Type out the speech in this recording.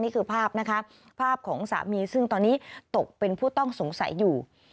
นี่คือภาพนะคะภาพของสามีซึ่งตอนนี้ตกเป็นผู้ต้องสงสัยอยู่